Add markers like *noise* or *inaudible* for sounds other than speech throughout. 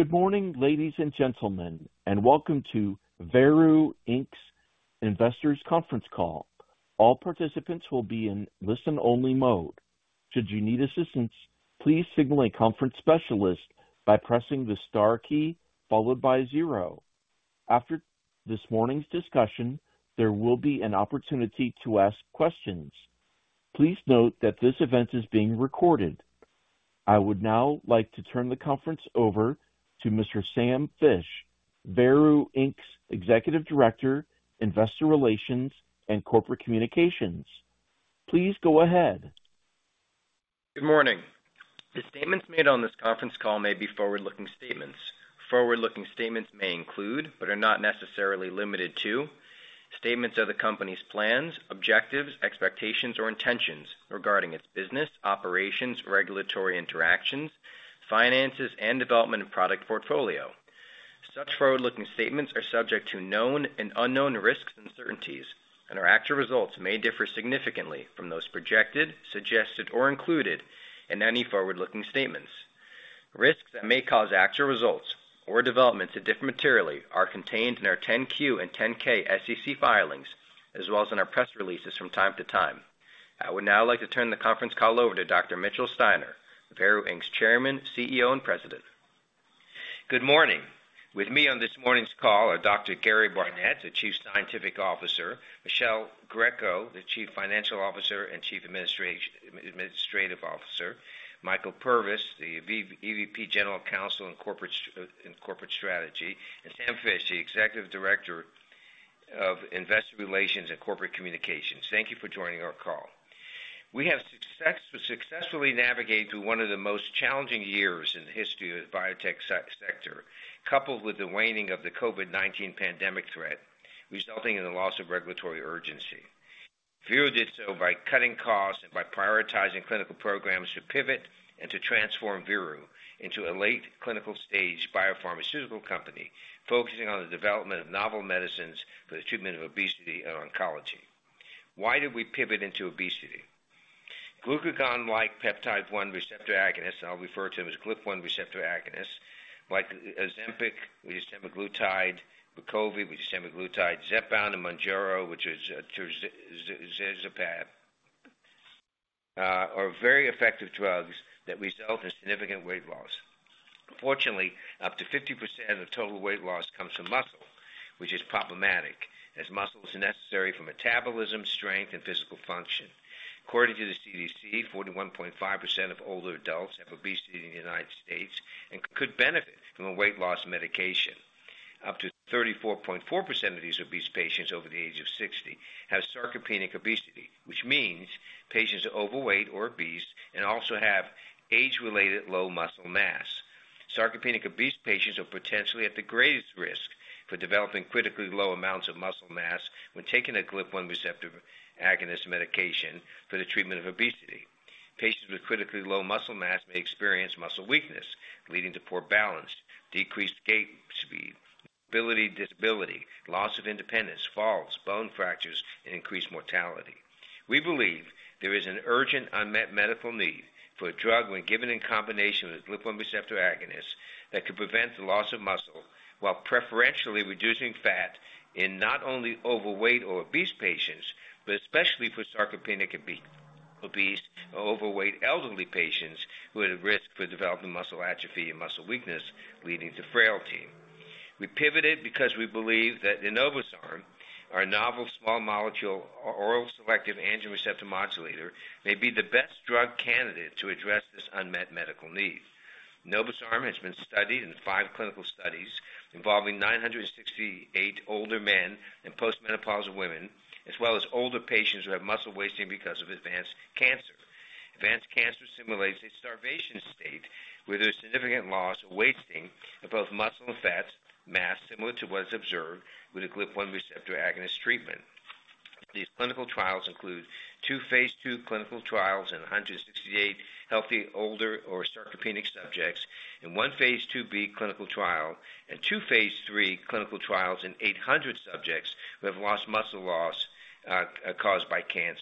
Good morning, ladies and gentlemen, and welcome to Veru Inc's Investors Conference Call. All participants will be in listen-only mode. Should you need assistance, please signal a conference specialist by pressing the star key followed by zero. After this morning's discussion, there will be an opportunity to ask questions. Please note that this event is being recorded. I would now like to turn the conference over to Mr. Sam Fisch, Veru Inc's Executive Director, Investor Relations, and Corporate Communications. Please go ahead. Good morning. The statements made on this conference call may be forward-looking statements. Forward-looking statements may include, but are not necessarily limited to, statements of the company's plans, objectives, expectations, or intentions regarding its business, operations, regulatory interactions, finances, and development of product portfolio. Such forward-looking statements are subject to known and unknown risks and uncertainties, and our actual results may differ significantly from those projected, suggested, or included in any forward-looking statements. Risks that may cause actual results or developments to differ materially are contained in our 10-Q and 10-K SEC filings, as well as in our press releases from time to time. I would now like to turn the conference call over to Dr. Mitchell Steiner, Veru Inc's Chairman, CEO, and President. Good morning. With me on this morning's call are Dr. Gary Barnette, the Chief Scientific Officer, Michele Greco, the Chief Financial Officer and Chief Administrative Officer, Michael Purvis, the EVP, General Counsel, and Corporate Strategy, and Sam Fisch, the Executive Director of Investor Relations and Corporate Communications. Thank you for joining our call. We have successfully navigated through one of the most challenging years in the history of the biotech sector, coupled with the waning of the COVID-19 pandemic threat, resulting in the loss of regulatory urgency. Veru did so by cutting costs and by prioritizing clinical programs to pivot and to transform Veru into a late clinical stage biopharmaceutical company, focusing on the development of novel medicines for the treatment of obesity and oncology. Why did we pivot into obesity? Glucagon-like peptide-1 receptor agonists, and I'll refer to them as GLP-1 receptor agonists, like Ozempic, which is semaglutide, Wegovy, which is semaglutide, Zepbound, and Mounjaro, which is tirzepatide, are very effective drugs that result in significant weight loss. Unfortunately, up to 50% of total weight loss comes from muscle, which is problematic, as muscle is necessary for metabolism, strength, and physical function. According to the CDC, 41.5% of older adults have obesity in the United States and could benefit from a weight loss medication. Up to 34.4% of these obese patients over the age of 60 have sarcopenic obesity, which means patients are overweight or obese and also have age-related low muscle mass. Sarcopenic obese patients are potentially at the greatest risk for developing critically low amounts of muscle mass when taking a GLP-1 receptor agonist medication for the treatment of obesity. Patients with critically low muscle mass may experience muscle weakness, leading to poor balance, decreased gait speed, mobility, disability, loss of independence, falls, bone fractures, and increased mortality. We believe there is an urgent, unmet medical need for a drug when given in combination with GLP-1 receptor agonist that could prevent the loss of muscle while preferentially reducing fat in not only overweight or obese patients, but especially for sarcopenic obese or overweight elderly patients who are at risk for developing muscle atrophy and muscle weakness, leading to frailty. We pivoted because we believe that enobosarm, our novel small molecule, our oral selective androgen receptor modulator, may be the best drug candidate to address this unmet medical need. Enobosarm has been studied in five clinical studies involving 968 older men and postmenopausal women, as well as older patients who have muscle wasting because of advanced cancer. Advanced cancer simulates a starvation state, where there's significant loss or wasting of both muscle and fat mass, similar to what is observed with a GLP-1 receptor agonist treatment. These clinical trials include two phase II clinical trials in 168 healthy, older, or sarcopenic subjects, and one phase II-B clinical trial and two phase III clinical trials in 800 subjects who have lost muscle loss caused by cancer.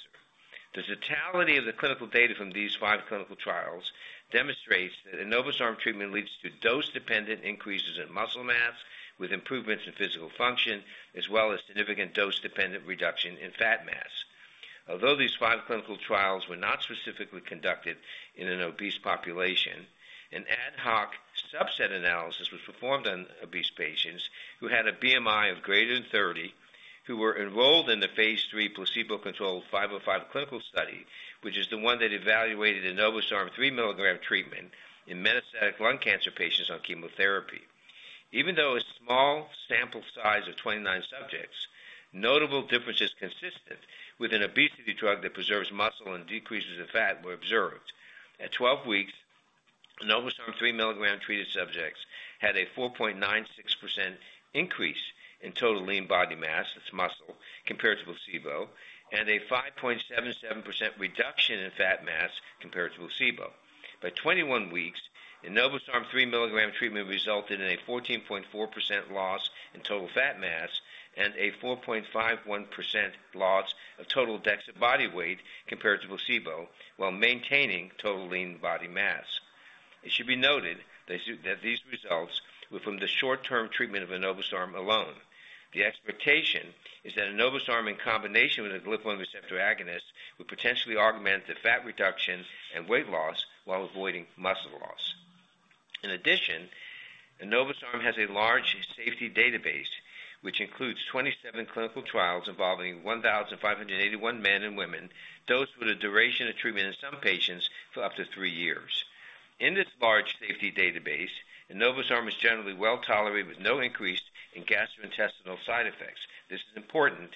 The totality of the clinical data from these five clinical trials demonstrates that enobosarm treatment leads to dose-dependent increases in muscle mass, with improvements in physical function, as well as significant dose-dependent reduction in fat mass. Although these five clinical trials were not specifically conducted in an obese population, an ad hoc subset analysis was performed on obese patients who had a BMI of greater than 30, who were enrolled in the phase III placebo-controlled 505 clinical study, which is the one that evaluated enobosarm 3 mg treatment in metastatic lung cancer patients on chemotherapy. Even though a small sample size of 29 subjects, notable differences consistent with an obesity drug that preserves muscle and decreases in fat were observed. At 12 weeks, enobosarm 3 mg treated subjects had a 4.96% increase in total lean body mass, that's muscle, compared to placebo, and a 5.77% reduction in fat mass compared to placebo. By 21 weeks, enobosarm 3 mg treatment resulted in a 14.4% loss in total fat mass and a 4.51% loss of total DEXA body weight compared to placebo, while maintaining total lean body mass. It should be noted that that these results were from the short-term treatment of enobosarm alone. The expectation is that enobosarm, in combination with a glucagon receptor agonist, would potentially augment the fat reduction and weight loss while avoiding muscle loss. In addition, enobosarm has a large safety database, which includes 27 clinical trials involving 1,581 men and women, dosed with a duration of treatment in some patients for up to three years. In this large safety database, enobosarm is generally well-tolerated, with no increase in gastrointestinal side effects. This is important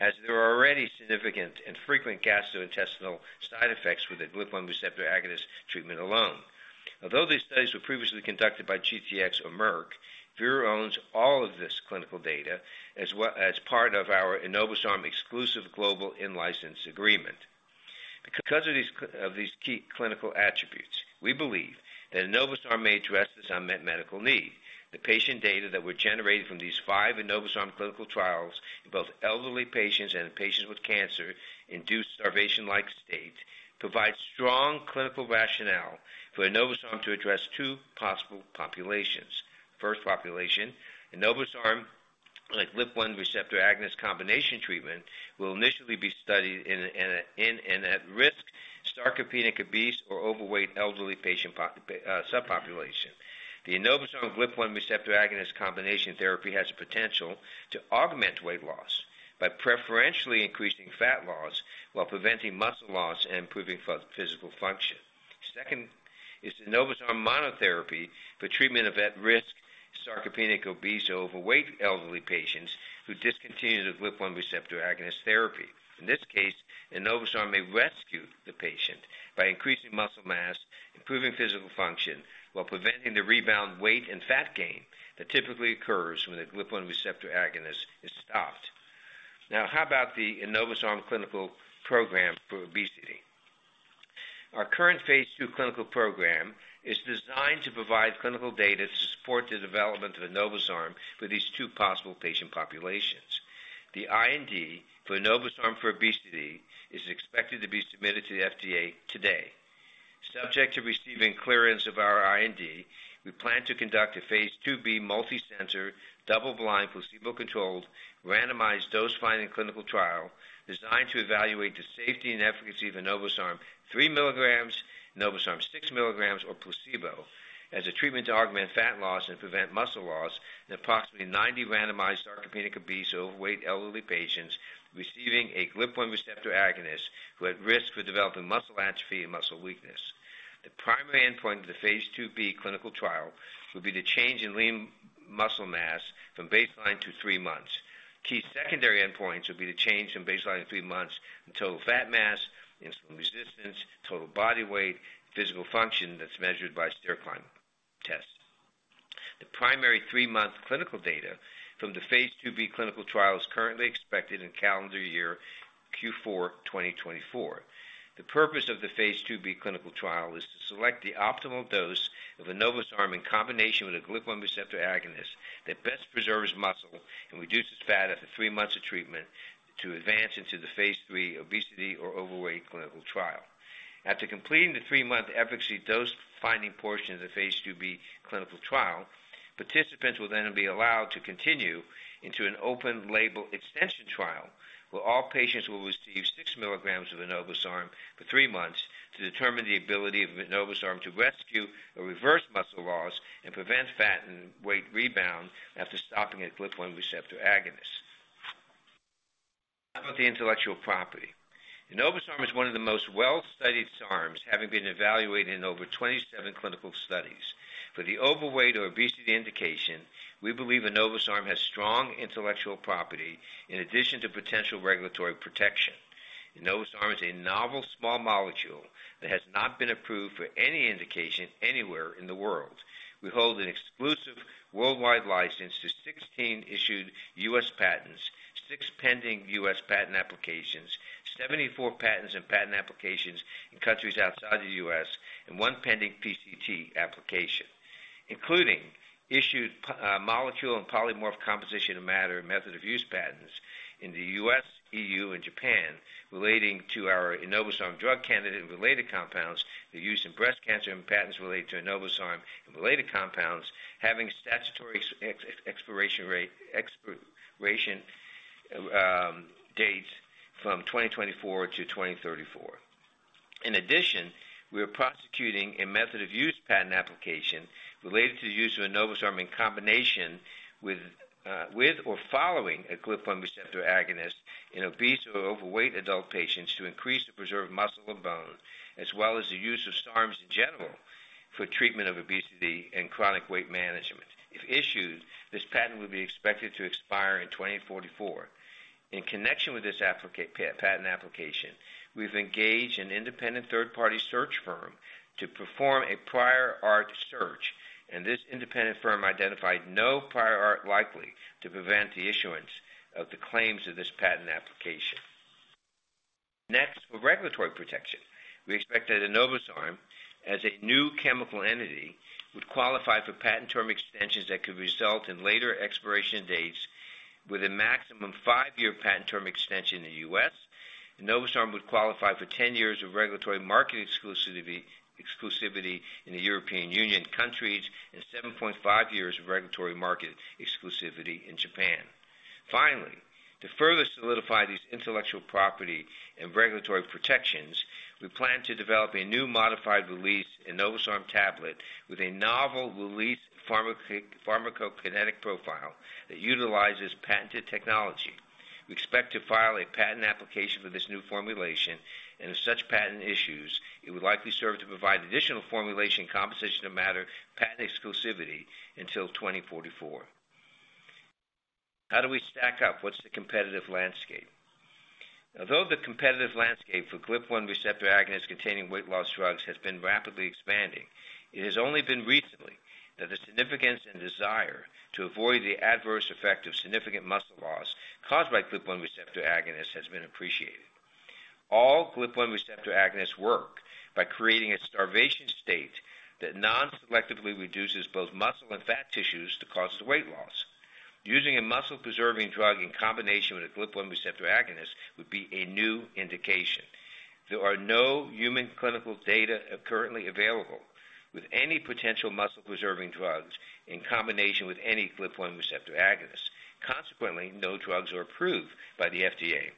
as there are already significant and frequent gastrointestinal side effects with a glucagon receptor agonist treatment alone. Although these studies were previously conducted by GTx or Merck, Veru owns all of this clinical data as well, as part of our enobosarm exclusive global in-license agreement. Because of these of these key clinical attributes, we believe that enobosarm may address this unmet medical need. The patient data that were generated from these five enobosarm clinical trials, in both elderly patients and in patients with cancer-induced starvation-like state, provides strong clinical rationale for enobosarm to address two possible populations. First population, enobosarm, like glucagon receptor agonist combination treatment, will initially be studied in an at-risk, sarcopenic obese, or overweight elderly patient subpopulation. The enobosarm glucagon receptor agonist combination therapy has the potential to augment weight loss by preferentially increasing fat loss while preventing muscle loss and improving physical function. Second, is enobosarm monotherapy for treatment of at-risk, sarcopenic, obese, or overweight elderly patients who discontinue the GLP-1 receptor agonist therapy. In this case, enobosarm may rescue the patient by increasing muscle mass, improving physical function, while preventing the rebound weight and fat gain that typically occurs when the GLP-1 receptor agonist is stopped. Now, how about the enobosarm clinical program for obesity? Our current phase II clinical program is designed to provide clinical data to support the development of enobosarm for these two possible patient populations. The IND for enobosarm for obesity is expected to be submitted to the FDA today. Subject to receiving clearance of our IND, we plan to conduct a phase II-B, multicenter, double-blind, placebo-controlled, randomized dose-finding clinical trial, designed to evaluate the safety and efficacy of enobosarm 3 mg, enobosarm 6 mg, or placebo, as a treatment to augment fat loss and prevent muscle loss in approximately 90 randomized sarcopenic, obese, or overweight elderly patients, receiving a glucagon receptor agonist, who are at risk for developing muscle atrophy and muscle weakness. The primary endpoint of the phase II-B clinical trial will be the change in lean muscle mass from baseline to three months. Key secondary endpoints will be the change from baseline in three months in total fat mass, insulin resistance, total body weight, physical function that's measured by stair climb tests. The primary three-month clinical data from the phase II-B clinical trial is currently expected in calendar year Q4 2024. The purpose of the phase II-B clinical trial is to select the optimal dose of enobosarm, in combination with a glucagon receptor agonist, that best preserves muscle and reduces fat after three months of treatment, to advance into the phase III obesity or overweight clinical trial. After completing the three-month efficacy dose-finding portion of the phase II-B clinical trial, participants will then be allowed to continue into an open-label extension trial, where all patients will receive 6 mg of enobosarm for three months, to determine the ability of enobosarm to rescue or reverse muscle loss and prevent fat and weight rebound after stopping a glucagon receptor agonist. Now, about the intellectual property. Enobosarm is one of the most well-studied SARM, having been evaluated in over 27 clinical studies. For the overweight or obesity indication, we believe enobosarm has strong intellectual property in addition to potential regulatory protection. Enobosarm is a novel small molecule that has not been approved for any indication anywhere in the world. We hold an exclusive worldwide license to 16 issued U.S. patents, six pending U.S. patent applications, 74 patents and patent applications in countries outside the U.S., and one pending PCT application, including issued molecule and polymorph composition of matter and method of use patents in the U.S., E.U., and Japan, relating to our Enobosarm drug candidate and related compounds, the use in breast cancer and patents related to enobosarm and related compounds, having statutory expiration dates from 2024-2034. In addition, we are prosecuting a method of use patent application related to the use of enobosarm in combination with or following a GLP-1 receptor agonist in obese or overweight adult patients, to increase or preserve muscle or bone, as well as the use of SARMs in general for treatment of obesity and chronic weight management. If issued, this patent will be expected to expire in 2044. In connection with this patent application, we've engaged an independent third-party search firm to perform a prior art search, and this independent firm identified no prior art likely to prevent the issuance of the claims of this patent application. Next, for regulatory protection. We expect that enobosarm, as a new chemical entity, would qualify for patent term extensions that could result in later expiration dates with a maximum five-year patent term extension in the U.S. Enobosarm would qualify for 10 years of regulatory market exclusivity, exclusivity in the European Union countries and 7.5 years of regulatory market exclusivity in Japan. Finally, to further solidify these intellectual property and regulatory protections, we plan to develop a new modified release enobosarm tablet with a novel release pharmacokinetic profile that utilizes patented technology. We expect to file a patent application for this new formulation, and if such patent issues, it would likely serve to provide additional formulation composition and matter patent exclusivity until 2044. How do we stack up? What's the competitive landscape? Although the competitive landscape for GLP-1 receptor agonist containing weight loss drugs has been rapidly expanding, it has only been recently that the significance and desire to avoid the adverse effect of significant muscle loss caused by GLP-1 receptor agonist has been appreciated. All GLP-1 receptor agonists work by creating a starvation state that non-selectively reduces both muscle and fat tissues to cause the weight loss. Using a muscle-preserving drug in combination with a GLP-1 receptor agonist would be a new indication. There are no human clinical data currently available with any potential muscle-preserving drugs in combination with any GLP-1 receptor agonist. Consequently, no drugs are approved by the FDA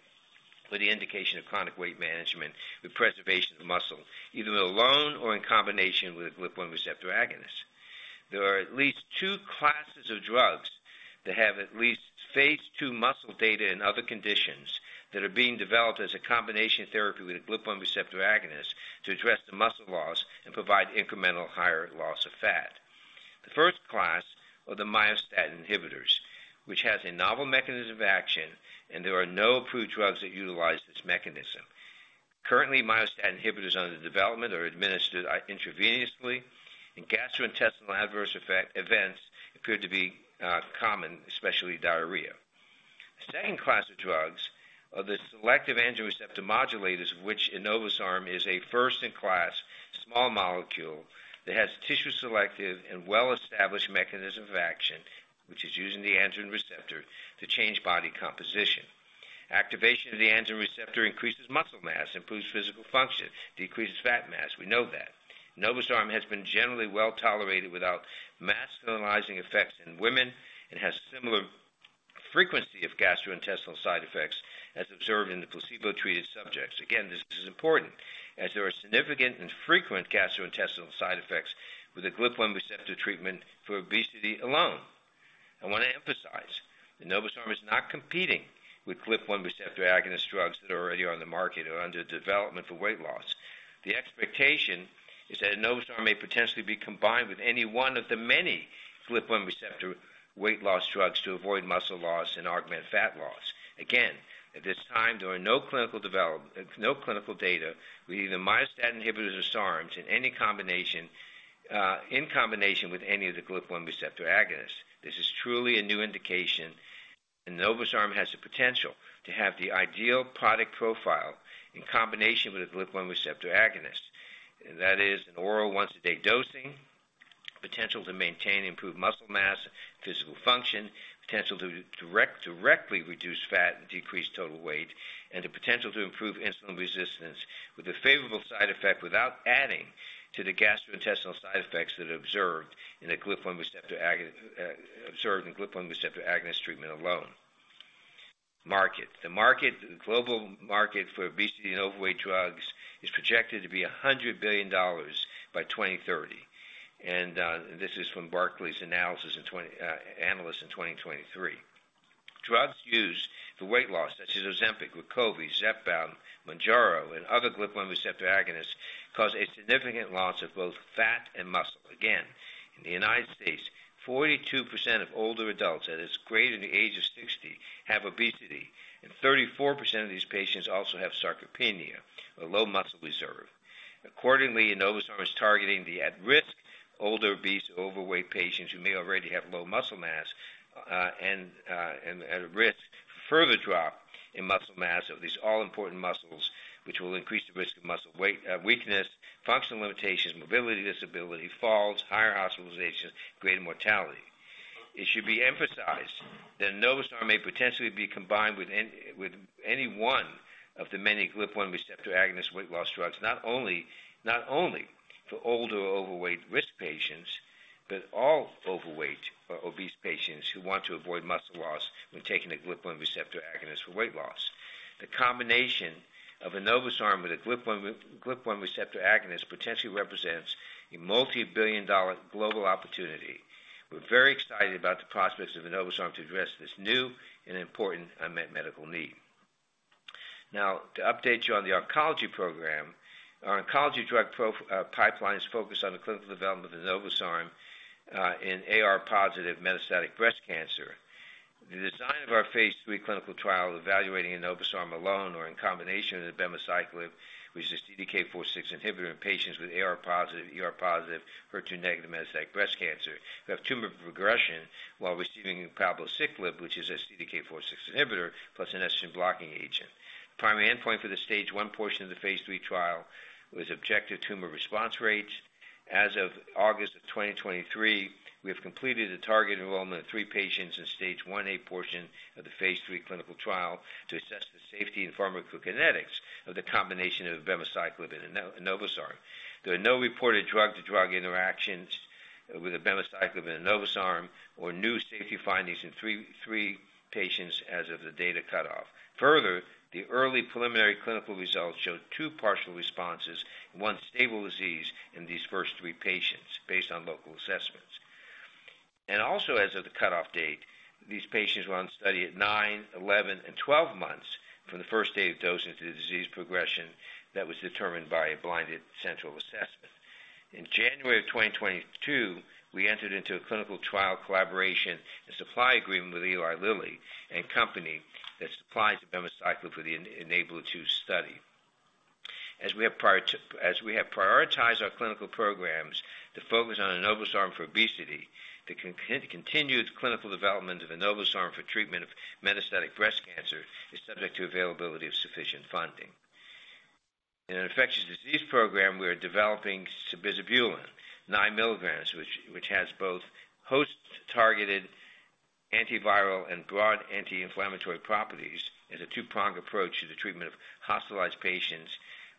for the indication of chronic weight management with preservation of muscle, either alone or in combination with a GLP-1 receptor agonist. There are at least two classes of drugs that have at least phase II muscle data in other conditions that are being developed as a combination therapy with a GLP-1 receptor agonist to address the muscle loss and provide incremental higher loss of fat. The first class are the myostatin inhibitors, which has a novel mechanism of action, and there are no approved drugs that utilize this mechanism. Currently, myostatin inhibitors under development are administered intravenously, and gastrointestinal adverse effect events appear to be common, especially diarrhea. The second class of drugs are the selective androgen receptor modulators, of which enobosarm is a first-in-class small molecule that has tissue selective and well-established mechanism of action, which is using the androgen receptor to change body composition. Activation of the androgen receptor increases muscle mass, improves physical function, decreases fat mass. We know that. Enobosarm has been generally well tolerated without masculinizing effects in women and has similar frequency of gastrointestinal side effects as observed in the placebo-treated subjects. Again, this is important as there are significant and frequent gastrointestinal side effects with a GLP-1 receptor treatment for obesity alone. I want to emphasize, enobosarm is not competing with GLP-1 receptor agonist drugs that are already on the market or under development for weight loss. The expectation is that enobosarm may potentially be combined with any one of the many GLP-1 receptor weight loss drugs to avoid muscle loss and augment fat loss. Again, at this time, there are no clinical development, no clinical data with either myostatin inhibitors or SARMs in combination with any of the GLP-1 receptor agonists. This is truly a new indication, enobosarm has the potential to have the ideal product profile in combination with a GLP-1 receptor agonist. That is an oral once-a-day dosing, potential to maintain improved muscle mass, physical function, potential to directly reduce fat and decrease total weight, and the potential to improve insulin resistance with a favorable side effect, without adding to the gastrointestinal side effects that are observed in GLP-1 receptor agonist treatment alone. Market. The market, the global market for obesity and overweight drugs is projected to be $100 billion by 2030, and this is from Barclays analyst in 2023. Drugs used for weight loss, such as Ozempic, Wegovy, Zepbound, Mounjaro, and other GLP-1 receptor agonists, cause a significant loss of both fat and muscle. Again, in the United States, 42% of older adults, that is greater than the age of 60, have obesity, and 34% of these patients also have sarcopenia, a low muscle reserve. Accordingly, enobosarm is targeting the at-risk, older, obese, or overweight patients who may already have low muscle mass, and are at risk for further drop in muscle mass of these all-important muscles, which will increase the risk of muscle weight, weakness, functional limitations, mobility, disability, falls, higher hospitalizations, greater mortality. It should be emphasized that enobosarm may potentially be combined with any one of the many GLP-1 receptor agonist weight loss drugs, not only for older, overweight risk patients, but all overweight or obese patients who want to avoid muscle loss when taking a GLP-1 receptor agonist for weight loss. The combination of enobosarm with a GLP-1 receptor agonist potentially represents a multi-billion-dollar global opportunity. We're very excited about the prospects of enobosarm to address this new and important unmet medical need. Now, to update you on the oncology program, our oncology drug pipeline is focused on the clinical development of enobosarm in AR positive metastatic breast cancer. The design of our phase III clinical trial, evaluating enobosarm alone or in combination with abemaciclib, which is a CDK4/6 inhibitor in patients with AR-positive, ER-positive, HER2-negative metastatic breast cancer, we have tumor progression while receiving palbociclib, which is a CDK4/6 inhibitor, plus an estrogen blocking agent. Primary endpoint for the stage one portion of the phase III trial was objective tumor response rates. As of August 2023, we have completed the target enrollment of three patients in Stage 1A portion of the phase III clinical trial to assess the safety and pharmacokinetics of the combination of abemaciclib and enobosarm. There are no reported drug-to-drug interactions with abemaciclib and enobosarm or new safety findings in three patients as of the data cutoff. Further, the early preliminary clinical results showed two partial responses and one stable disease in these first three patients, based on local assessments. Also as of the cutoff date, these patients were on study at nine, 11, and 12 months from the first day of dosing to the disease progression that was determined by a blinded central assessment. In January of 2022, we entered into a clinical trial collaboration and supply agreement with Eli Lilly, a company that supplies abemaciclib for the ENABLER II study. As we have prioritized our clinical programs to focus on enobosarm for obesity, the continued clinical development of enobosarm for treatment of metastatic breast cancer is subject to availability of sufficient funding. In an infectious disease program, we are developing sabizabulin 9 mg, which has both host-targeted antiviral and broad anti-inflammatory properties, as a two-pronged approach to the treatment of hospitalized patients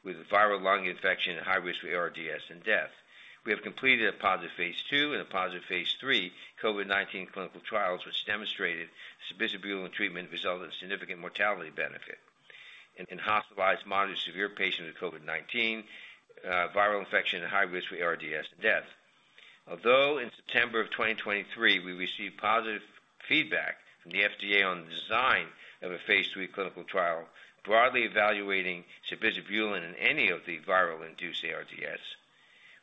with viral lung infection and high risk for ARDS and death. We have completed a positive phase II and a positive phase III COVID-19 clinical trials, which demonstrated sabizabulin treatment resulted in significant mortality benefit in hospitalized moderate severe patients with COVID-19 viral infection, and high risk for ARDS and death. Although in September of 2023, we received positive feedback from the FDA on the design of a phase III clinical trial, broadly evaluating sabizabulin in any of the viral-induced ARDS,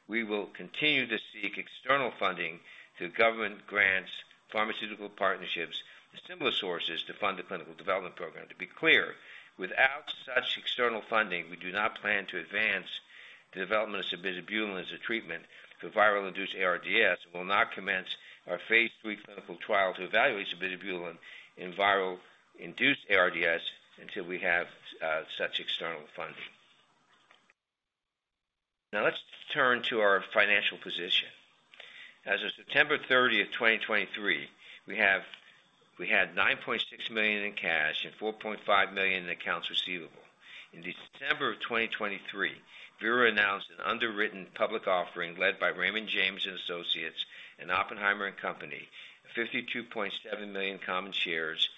we will continue to seek external funding through government grants, pharmaceutical partnerships, and similar sources to fund the clinical development program. To be clear, without such external funding, we do not plan to advance the development of sabizabulin as a treatment for viral-induced ARDS, and will not commence our phase III clinical trial to evaluate sabizabulin in viral-induced ARDS until we have such external funding. Now, let's turn to our financial position. As of September 30th, 2023, we had $9.6 million in cash and $4.5 million in accounts receivable. In December of 2023, Veru announced an underwritten public offering led by Raymond James & Associates and Oppenheimer & Co. Inc., 52.7 million common shares,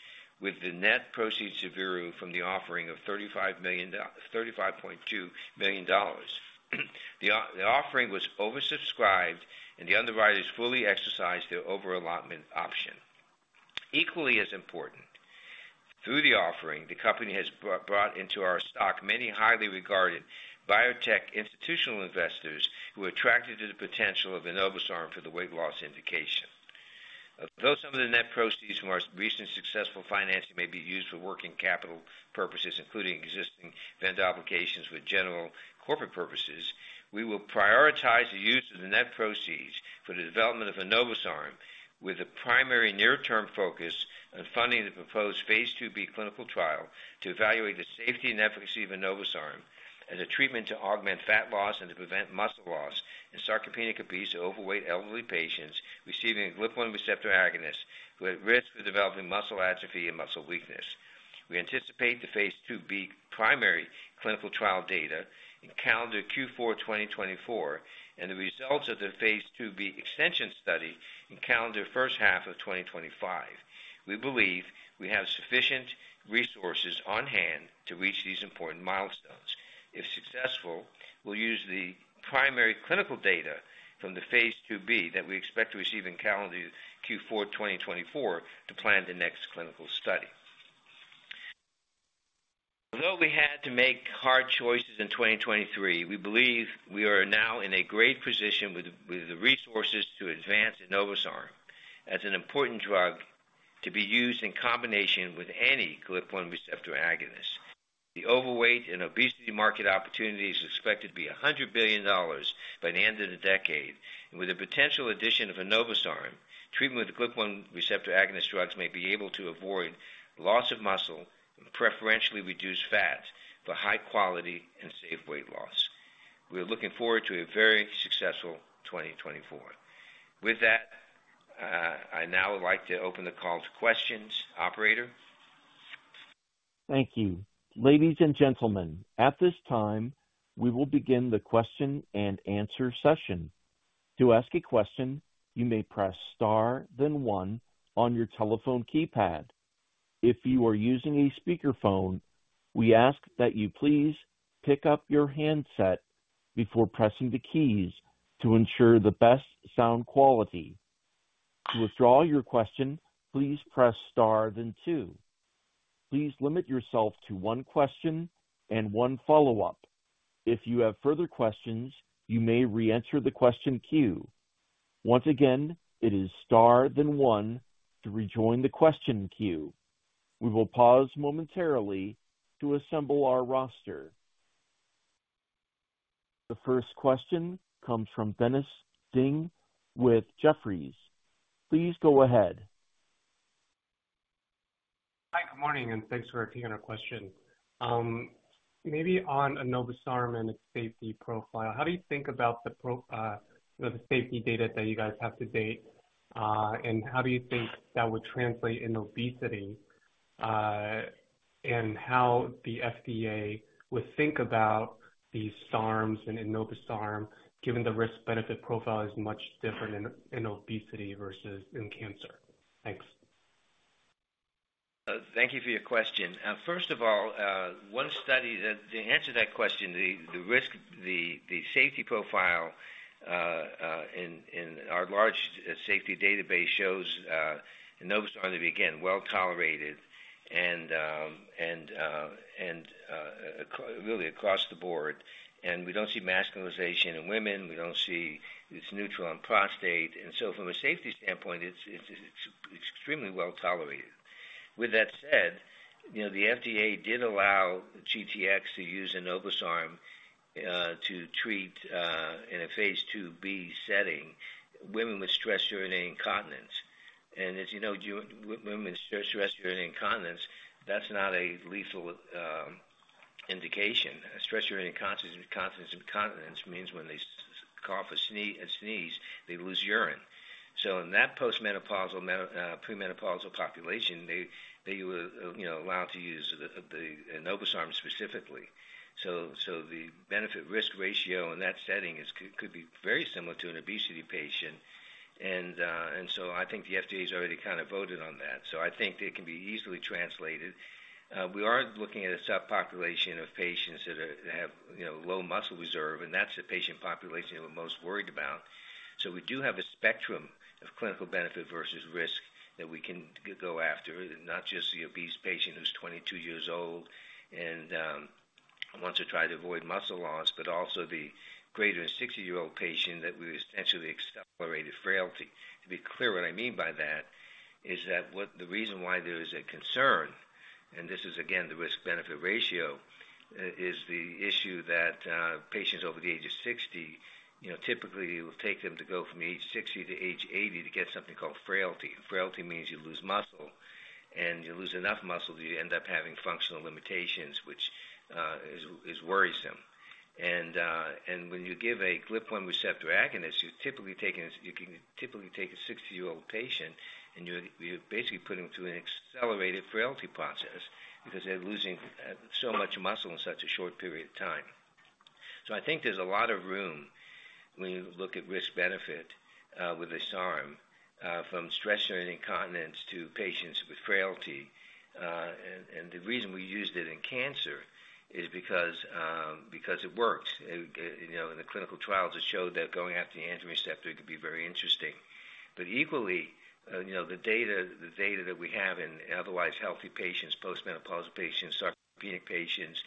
with the net proceeds to Veru from the offering of $35.2 million. The offering was oversubscribed, and the underwriters fully exercised their over-allotment option. Equally as important, through the offering, the company has brought into our stock many highly regarded biotech institutional investors who are attracted to the potential of enobosarm for the weight loss indication. Although some of the net proceeds from our recent successful financing may be used for working capital purposes, including existing debt obligations and general corporate purposes, we will prioritize the use of the net proceeds for the development of enobosarm, with a primary near-term focus on funding the proposed phase II-B clinical trial to evaluate the safety and efficacy of enobosarm as a treatment to augment fat loss and to prevent muscle loss in sarcopenic obese or overweight elderly patients receiving GLP-1 receptor agonist, who are at risk for developing muscle atrophy and muscle weakness. We anticipate the phase II-B primary clinical trial data in calendar Q4 2024, and the results of the phase II-B extension study in calendar first half of 2025. We believe we have sufficient resources on hand to reach these important milestones. If successful, we'll use the primary clinical data from the phase II-B that we expect to receive in calendar Q4 2024 to plan the next clinical study. Although we had to make hard choices in 2023, we believe we are now in a great position with the resources to advance enobosarm as an important drug to be used in combination with any glucagon receptor agonist. The overweight and obesity market opportunity is expected to be $100 billion by the end of the decade, and with the potential addition of enobosarm, treatment with the glucagon receptor agonist drugs may be able to avoid loss of muscle and preferentially reduce fat for high quality and safe weight loss. We are looking forward to a very successful 2024. With that, I now would like to open the call to questions. Operator? Thank you. Ladies and gentlemen, at this time, we will begin the question and answer session. To ask a question, you may press star, then one on your telephone keypad. If you are using a speakerphone, we ask that you please pick up your handset before pressing the keys to ensure the best sound quality. To withdraw your question, please press star, then two. Please limit yourself to one question and one follow-up. If you have further questions, you may reenter the question queue. Once again, it is star, then one to rejoin the question queue. We will pause momentarily to assemble our roster. The first question comes from Dennis Ding with Jefferies. Please go ahead. Good morning, and thanks for taking our question. Maybe on enobosarm and its safety profile, how do you think about the safety data that you guys have to date? And how do you think that would translate in obesity, and how the FDA would think about these SARMs and enobosarm, given the risk-benefit profile is much different in obesity versus in cancer? Thanks. Thank you for your question. First of all, to answer that question, the safety profile in our large safety database shows enobosarm to be, again, well-tolerated and actually really across the board. And we don't see masculinization in women. We don't see. It's neutral on prostate. And so from a safety standpoint, it's extremely well-tolerated. With that said, you know, the FDA did allow GTx to use enobosarm to treat in a phase II-B setting, women with stress urinary incontinence. And as you know, women with stress urinary incontinence, that's not a lethal indication. Stress urinary incontinence means when they cough or sneeze, they lose urine. So in that post menopausal, premenopausal population, they, you know, allowed to use the, the enobosarm specifically. So, so the benefit-risk ratio in that setting could be very similar to an obesity patient. And, and so I think the FDA's already kind of voted on that, so I think it can be easily translated. We are looking at a subpopulation of patients that are, that have, you know, low muscle reserve, and that's the patient population we're most worried about. So we do have a spectrum of clinical benefit versus risk that we can go after, not just the obese patient who's 22 years old and, wants to try to avoid muscle loss, but also the greater than 60-year-old patient that with potentially accelerated frailty. To be clear, what I mean by that is that what the reason why there is a concern, and this is, again, the risk-benefit ratio, is the issue that patients over the age of 60, you know, typically it will take them to go from age 60 to age 80 to get something called frailty. Frailty means you lose muscle, and you lose enough muscle that you end up having functional limitations, which is worrisome. And when you give a GLP-1 receptor agonist, you're typically taking you can typically take a 60-year-old patient, and you're basically putting them through an accelerated frailty process because they're losing so much muscle in such a short period of time. So I think there's a lot of room when you look at risk-benefit with a SARM from stress urinary incontinence to patients with frailty. And the reason we used it in cancer is because it worked. You know, in the clinical trials, it showed that going after the androgen receptor could be very interesting. But equally, you know, the data that we have in otherwise healthy patients, postmenopausal patients, sarcopenic patients,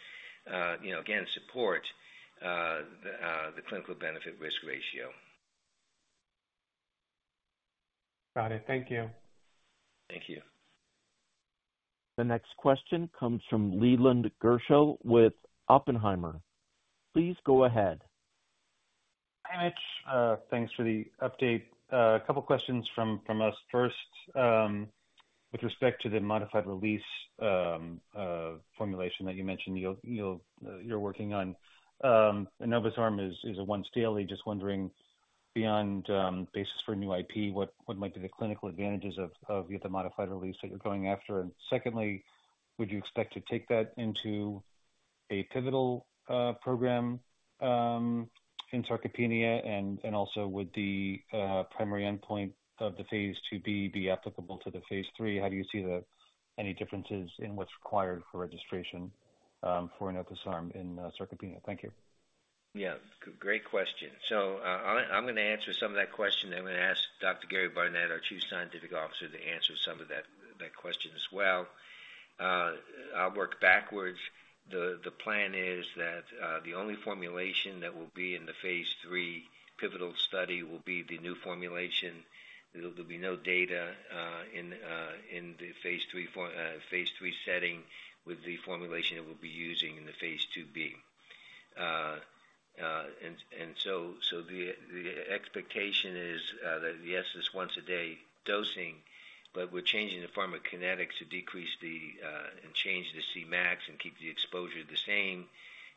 you know, again support the clinical benefit-risk ratio. Got it. Thank you. Thank you. The next question comes from Leland Gershell with Oppenheimer. Please go ahead. Hi, Mitch. Thanks for the update. A couple questions from us. First, with respect to the modified release formulation that you mentioned you're working on. Enobosarm is a once-daily. Just wondering, beyond basis for a new IP, what might be the clinical advantages of the modified release that you're going after? And secondly, would you expect to take that into a pivotal program in sarcopenia? And also, would the primary endpoint of the phase II-B be applicable to the phase III? How do you see any differences in what's required for registration for enobosarm in sarcopenia? Thank you. Yeah, great question. So, I'm gonna answer some of that question, and I'm going to ask Dr. Gary Barnette, our Chief Scientific Officer, to answer some of that question as well. I'll work backwards. The plan is that the only formulation that will be in the phase III pivotal study will be the new formulation. There'll be no data in the phase III setting with the formulation that we'll be using in the phase II-B. And so the expectation is that, yes, it's once-a-day dosing, but we're changing the pharmacokinetics to decrease and change the Cmax and keep the exposure the same.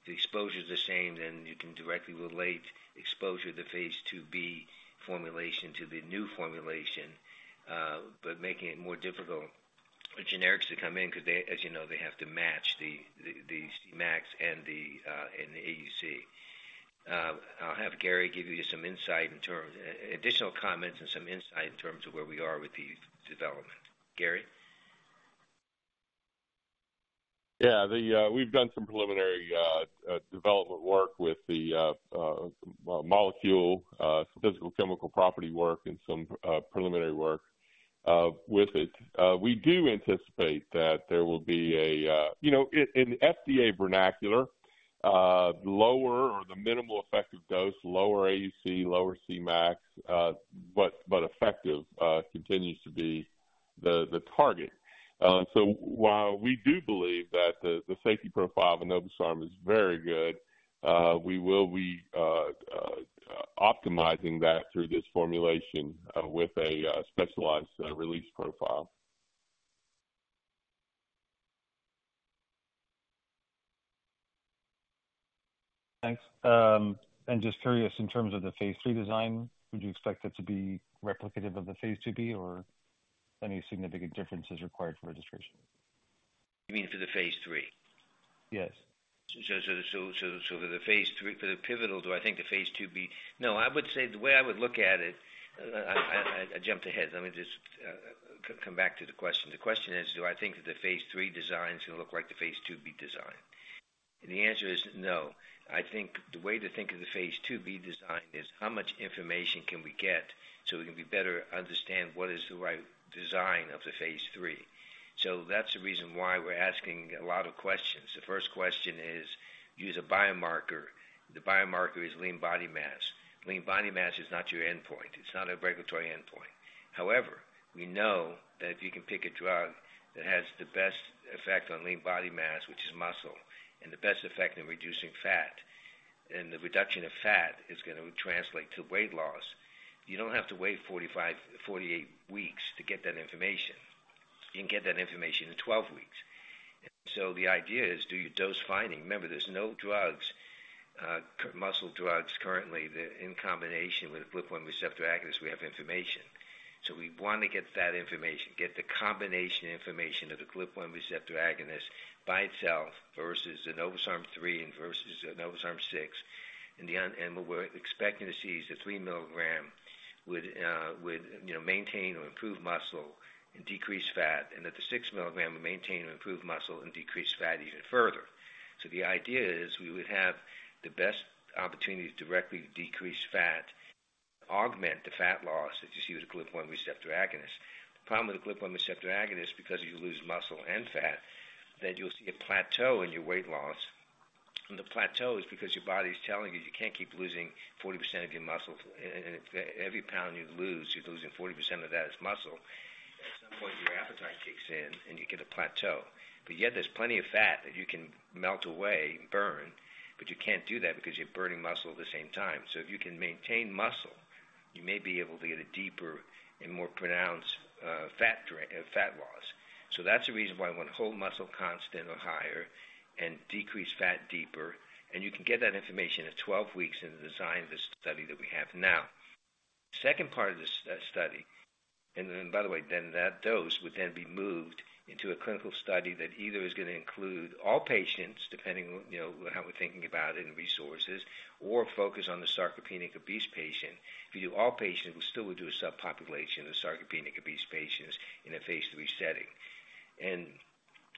If the exposure is the same, then you can directly relate exposure to the phase II-B formulation to the new formulation, but making it more difficult for generics to come in, because they, as you know, have to match the Cmax and the AUC. I'll have Gary give you some additional comments and some insight in terms of where we are with the development. Gary? Yeah, we've done some preliminary development work with the molecule, physical chemical property work and some preliminary work with it. We do anticipate that there will be a, you know, in FDA vernacular, lower or the minimal effective dose, lower AUC, lower Cmax, but effective continues to be the target. So while we do believe that the safety profile of enobosarm is very good, we will be optimizing that through this formulation with a specialized release profile. Thanks. Just curious, in terms of the phase III design, would you expect that to be replicative of the phase II-B or any significant differences required for registration? You mean for the phase III? Yes. So, for the phase III, for the pivotal, do I think the phase II-B? No, I would say the way I would look at it, I jumped ahead. Let me just come back to the question. The question is, do I think that the phase III design is going to look like the phase II-B design? And the answer is no. I think the way to think of the phase II-B design is, how much information can we get so we can better understand what is the right design of the phase III? So that's the reason why we're asking a lot of questions. The first question is, use a biomarker. The biomarker is lean body mass. Lean body mass is not your endpoint. It's not a regulatory endpoint. However, we know that if you can pick a drug that has the best effect on lean body mass, which is muscle, and the best effect in reducing fat, and the reduction of fat is going to translate to weight loss, you don't have to wait 45, 48 weeks to get that information. You can get that information in 12 weeks. And so the idea is, do your dose finding. Remember, there's no drugs, muscle drugs currently, that in combination with a glucagon receptor agonist, we have information. So we want to get that information, get the combination information of the glucagon receptor agonist by itself versus the enobosarm 3 mg and versus the enobosarm 6 mg. And we're expecting to see is the 3 mg would, you know, maintain or improve muscle and decrease fat, and that the 6 mg would maintain or improve muscle and decrease fat even further. So the idea is we would have the best opportunity to directly decrease fat, augment the fat loss, if you see with a glucagon receptor agonist. The problem with the glucagon receptor agonist, because you lose muscle and fat, that you'll see a plateau in your weight loss. And the plateau is because your body's telling you, you can't keep losing 40% of your muscle. And if every pound you lose, you're losing 40% of that as muscle, at some point, your appetite kicks in, and you get a plateau. But yet there's plenty of fat that you can melt away and burn, but you can't do that because you're burning muscle at the same time. So if you can maintain muscle, you may be able to get a deeper and more pronounced fat loss. So that's the reason why I want to hold muscle constant or higher and decrease fat deeper. And you can get that information at 12 weeks in the design of the study that we have now. Second part of this study, and then by the way, then that dose would then be moved into a clinical study that either is going to include all patients, depending on, you know, how we're thinking about it and resources, or focus on the sarcopenic obese patient. If you do all patients, we still would do a subpopulation of sarcopenic-obese patients in a phase III setting.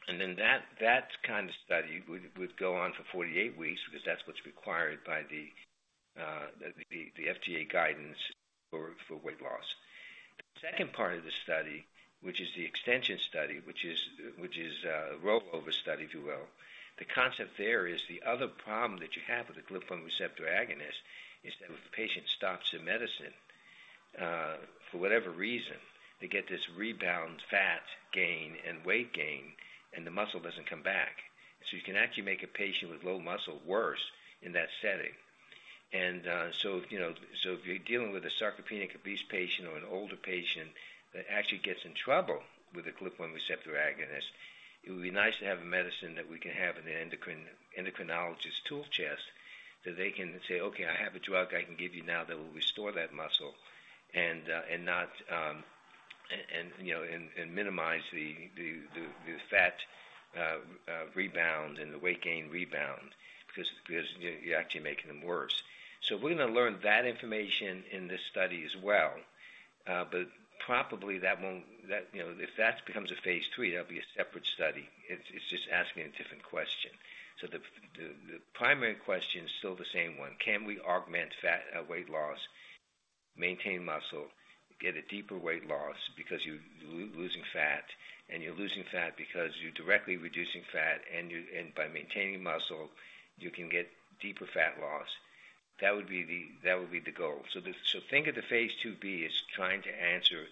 And then that kind of study would go on for 48 weeks because that's what's required by the FDA guidance for weight loss. The second part of the study, which is the extension study, which is a rollover study, if you will. The concept there is the other problem that you have with the glucagon receptor agonist is that if a patient stops the medicine, for whatever reason, they get this rebound fat gain and weight gain, and the muscle doesn't come back. So you can actually make a patient with low muscle worse in that setting. So, you know, so if you're dealing with a sarcopenic obese patient or an older patient that actually gets in trouble with a glucagon receptor agonist, it would be nice to have a medicine that we can have in the endocrinologist tool chest, that they can say, "Okay, I have a drug I can give you now that will restore that muscle," and not... And, you know, and minimize the fat rebound and the weight gain rebound, because you're actually making them worse. So we're going to learn that information in this study as well. But probably, if that becomes a phase III that'll be a separate study. It's just asking a different question. So the primary question is still the same one: Can we augment fat weight loss, maintain muscle, get a deeper weight loss because you're losing fat, and you're losing fat because you're directly reducing fat, and by maintaining muscle, you can get deeper fat loss? That would be the goal. So think of the phase II-B as trying to answer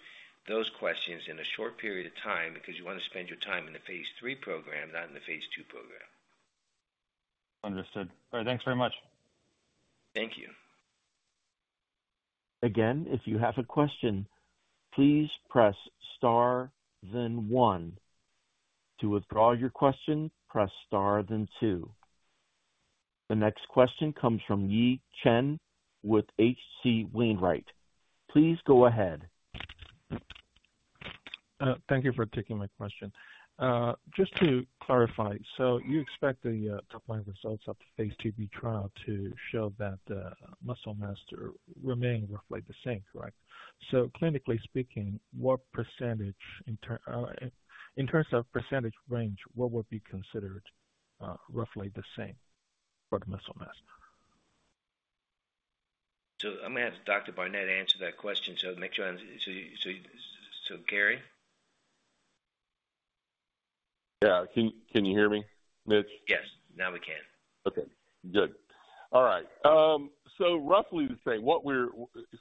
those questions in a short period of time because you want to spend your time in the phase III program, not in the phase II program. Understood. All right, thanks very much. Thank you. Again, if you have a question, please press Star, then one. To withdraw your question, press Star, then two. The next question comes from Yi Chen with H.C. Wainwright. Please go ahead. Thank you for taking my question. Just to clarify, so you expect the top-line results of the phase II-B trial to show that the muscle mass to remain roughly the same, correct? So clinically speaking, what percentage, in terms of percentage range, what would be considered roughly the same for the muscle mass? So I'm going to have Dr. Barnette answer that question. So Gary? Yeah. Can you hear me, Mitch? Yes, now we can. Okay, good. All right, so roughly the same.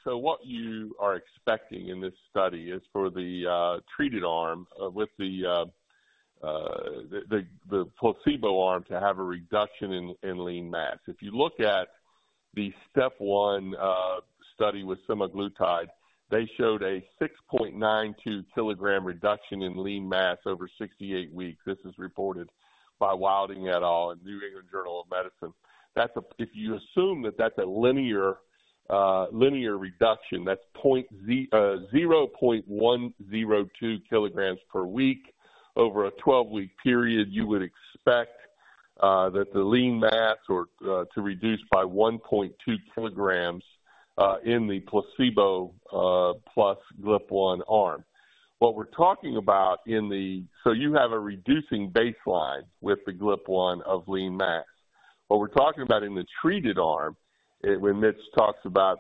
So what you are expecting in this study is for the treated arm with the the placebo arm to have a reduction in lean mass. If you look at the STEP 1 study with semaglutide, they showed a 6.92 kg reduction in lean mass over 68 weeks. This is reported by Wilding et al. in New England Journal of Medicine. If you assume that that's a linear reduction, that's 0.102 kg per week. Over a 12-week period, you would expect that the lean mass to reduce by 1.2 kg in the placebo plus GLP-1 arm. What we're talking about in the, so you have a reducing baseline with the GLP-1 of lean mass. What we're talking about in the treated arm, when Mitch talks about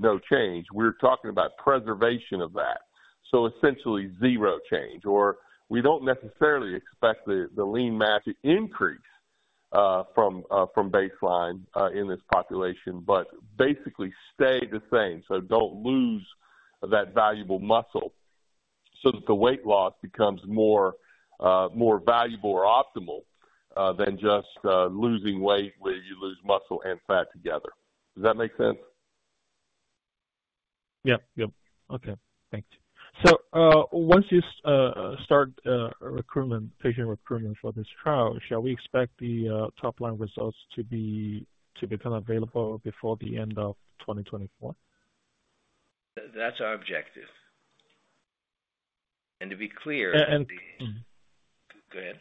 no change, we're talking about preservation of that. So essentially zero change, or we don't necessarily expect the lean mass to increase from baseline in this population, but basically stay the same, so don't lose that valuable muscle so that the weight loss becomes more valuable or optimal than just losing weight, where you lose muscle and fat together. Does that make sense? Yeah. Yep. Okay, thanks. So, once you start recruitment, patient recruitment for this trial, shall we expect the top-line results to become available before the end of 2024? That's our objective. To be clear. Mm-hmm. Go ahead.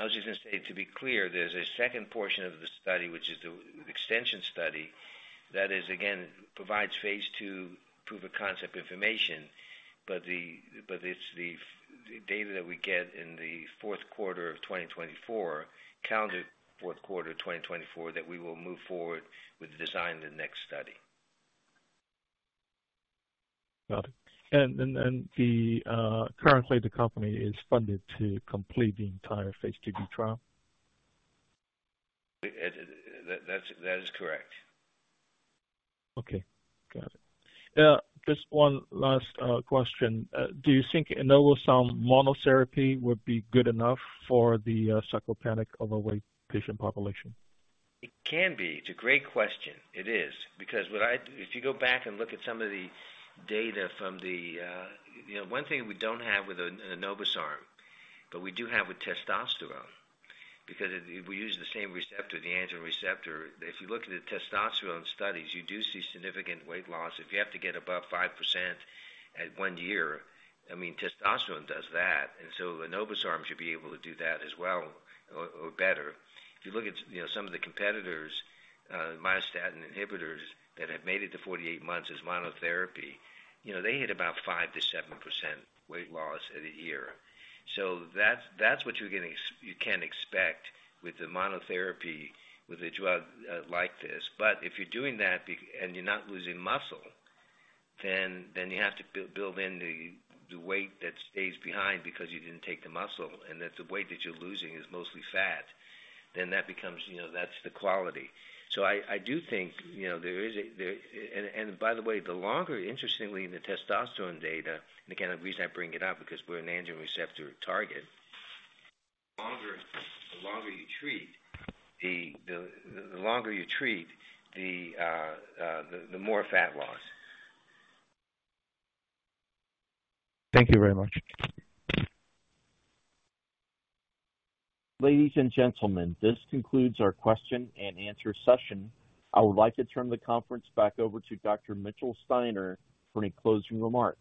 I was just going to say, to be clear, there's a second portion of the study, which is the extension study, that is, again, provides phase II proof of concept information, but it's the data that we get in the fourth quarter of 2024, calendar fourth quarter of 2024, that we will move forward with the design of the next study. Got it. And currently the company is funded to complete the entire phase II-B trial? That is correct. Okay, got it. Just one last question. Do you think enobosarm monotherapy would be good enough for the sarcopenic overweight patient population? It can be. It's a great question. It is, because if you go back and look at some of the data from the, you know, one thing we don't have with enobosarm, but we do have with testosterone, because it, we use the same receptor, the androgen receptor. If you look at the testosterone studies, you do see significant weight loss. If you have to get above 5% at one year, I mean, testosterone does that, and so enobosarm should be able to do that as well or better. If you look at, you know, some of the competitors, myostatin inhibitors that have made it to 48 months as monotherapy, you know, they hit about 5%-7% weight loss at a year. So that's, that's what you're getting, you can expect with the monotherapy, with a drug like this. But if you're doing that and you're not losing muscle, then you have to build in the weight that stays behind because you didn't take the muscle, and the weight that you're losing is mostly fat, then that becomes, you know, that's the quality. So I do think, you know, there is a, there. And by the way, the longer, interestingly, in the testosterone data, and again, the reason I bring it up, because we're an androgen receptor target, the longer you treat, the more fat loss. Thank you very much. Ladies and gentlemen, this concludes our question and answer session. I would like to turn the conference back over to Dr. Mitchell Steiner for any closing remarks.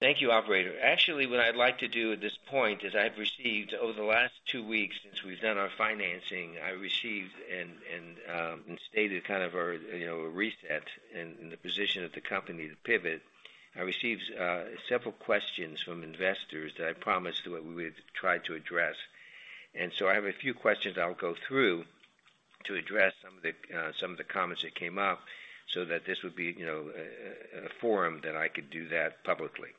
Thank you, operator. Actually, what I'd like to do at this point is I've received over the last two weeks since we've done our financing and stated kind of our, you know, reset and the position of the company to pivot. I received several questions from investors that I promised we would try to address. And so I have a few questions I'll go through to address some of the comments that came up so that this would be, you know, a forum that I could do that publicly.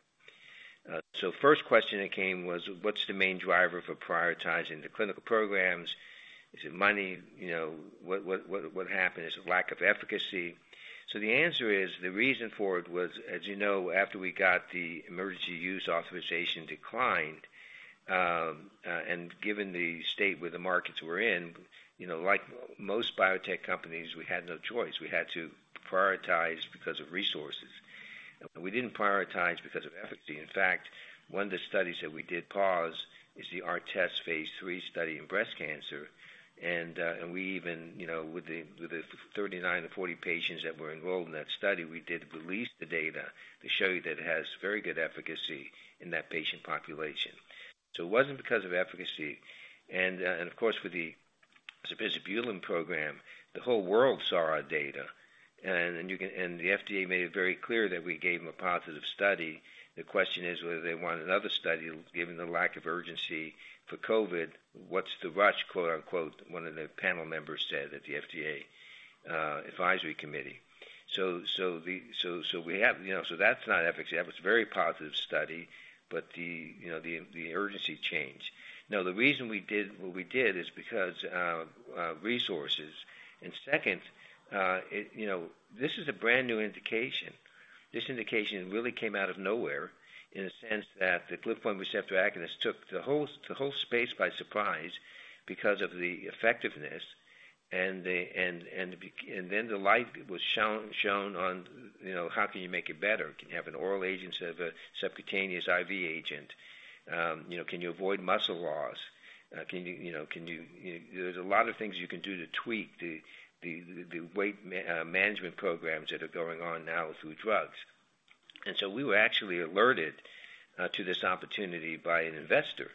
So first question that came was: What's the main driver for prioritizing the clinical programs? Is it money? You know, what happened? Is it lack of efficacy? So the answer is, the reason for it was, as you know, after we got the Emergency Use Authorization declined, and given the state where the markets were in, you know, like most biotech companies, we had no choice. We had to prioritize because of resources. We didn't prioritize because of efficacy. In fact, one of the studies that we did pause is the ARTEST phase III study in breast cancer, and we even, you know, with the thirty-nine to forty patients that were enrolled in that study, we did release the data to show you that it has very good efficacy in that patient population. So it wasn't because of efficacy. Of course, with the sabizabulin program, the whole world saw our data, and the FDA made it very clear that we gave them a positive study. The question is whether they want another study, given the lack of urgency for COVID. “What’s the rush?” quote, unquote, one of the panel members said at the FDA advisory committee. So, we have, you know, so that's not efficacy. That was a very positive study, but, you know, the urgency changed. Now, the reason we did what we did is because resources. And second, you know, this is a brand-new indication. This indication really came out of nowhere, in a sense that the glucagon receptor agonist took the whole space by surprise because of the effectiveness and then the light was shone on, you know, how can you make it better? Can you have an oral agent instead of a subcutaneous IV agent? You know, can you avoid muscle loss There's a lot of things you can do to tweak the weight management programs that are going on now through drugs. And so we were actually alerted to this opportunity by an investor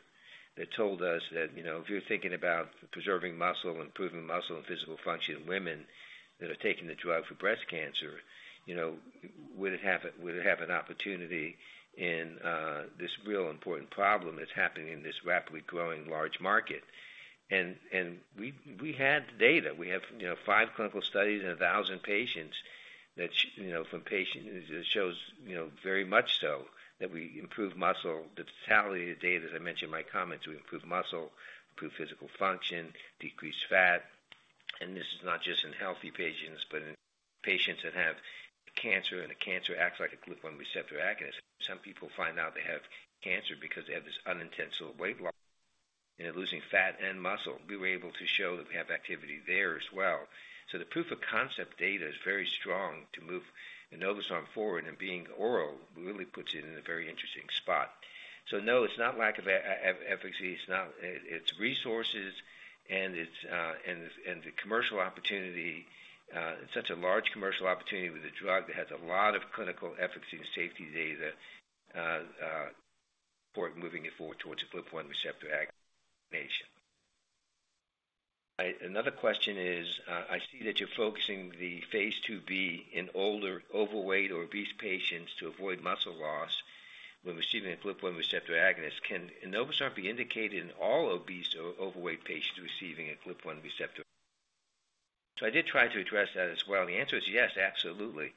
that told us that, "You know, if you're thinking about preserving muscle, improving muscle and physical function in women that are taking the drug for breast cancer, you know, would it have an opportunity in this real important problem that's happening in this rapidly growing large market?" And we had the data. We have, you know, five clinical studies and 1,000 patients that, you know, from patients, it shows, you know, very much so that we improve muscle. The totality of data, as I mentioned in my comments, we improve muscle, improve physical function, decrease fat. And this is not just in healthy patients, but in patients that have cancer, and the cancer acts like a glucagon receptor agonist. Some people find out they have cancer because they have this unintentional weight loss, and they're losing fat and muscle. We were able to show that we have activity there as well. So the proof of concept data is very strong to move enobosarm forward, and being oral really puts it in a very interesting spot. So no, it's not lack of efficacy, it's not. It's resources, and it's, and the commercial opportunity, it's such a large commercial opportunity with a drug that has a lot of clinical efficacy and safety data, for moving it forward towards a GLP-1 receptor agonist. *inaudible* Another question is, "I see that you're focusing the phase II-B in older, overweight or obese patients to avoid muscle loss when receiving a glucagon receptor agonist. Can Enobosarm be indicated in all obese or overweight patients receiving a glucagon receptor?" So I did try to address that as well. The answer is yes, absolutely.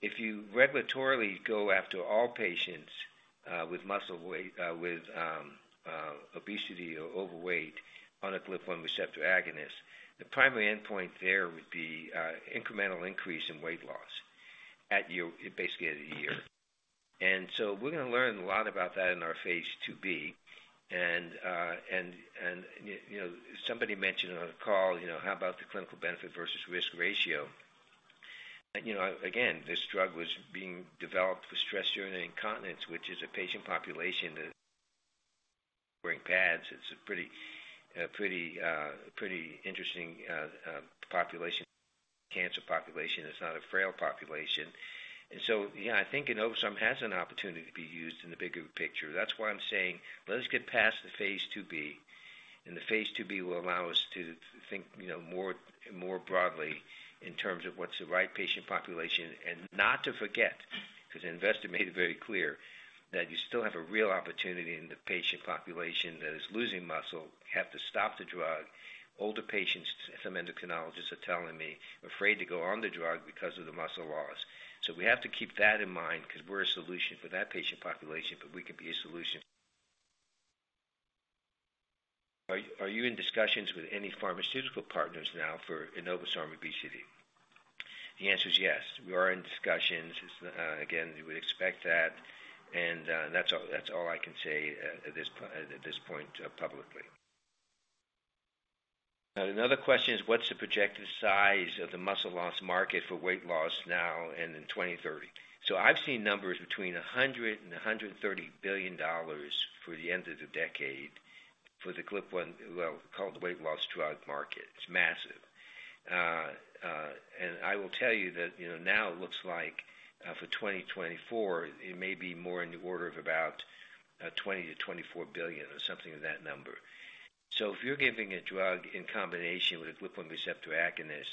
If you regulatorily go after all patients with muscle weight with obesity or overweight on a glucagon receptor agonist, the primary endpoint there would be incremental increase in weight loss at year, basically at a year. And you know, somebody mentioned on the call, you know, how about the clinical benefit versus risk ratio? And you know, again, this drug was being developed for stress urinary incontinence, which is a patient population that wearing pads, it's a pretty pretty pretty interesting population, cancer population. It's not a frail population. And so, yeah, I think enobosarm has an opportunity to be used in the bigger picture. That's why I'm saying, let us get past the phase II-B, and the phase II-B will allow us to think, you know, more, more broadly in terms of what's the right patient population. And not to forget, 'cause the investor made it very clear, that you still have a real opportunity in the patient population that is losing muscle, have to stop the drug. Older patients, some endocrinologists are telling me, afraid to go on the drug because of the muscle loss. So we have to keep that in mind 'cause we're a solution for that patient population, but we could be a solution. "Are you, are you in discussions with any pharmaceutical partners now for Enobosarm obesity?" The answer is yes. We are in discussions. Again, you would expect that, and that's all, that's all I can say at this point publicly. And another question is: "What's the projected size of the muscle loss market for weight loss now and in 2030?" So I've seen numbers between $100 billion-$130 billion for the end of the decade for the glucagon, well, called the weight loss drug market. It's massive. And I will tell you that, you know, now it looks like for 2024, it may be more in the order of about $20 billion-$24 billion or something of that number. So if you're giving a drug in combination with a GLP-1 receptor agonist,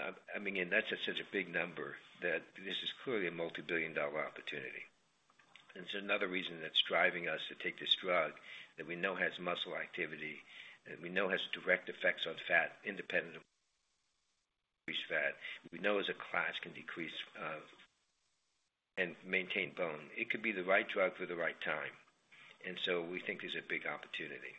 I mean, and that's such a big number, that this is clearly a multi-billion dollar opportunity. It's another reason that's driving us to take this drug, that we know has muscle activity, and we know has direct effects on fat, independent of increase fat. We know as a class, it can decrease, and maintain bone. It could be the right drug for the right time, and so we think there's a big opportunity.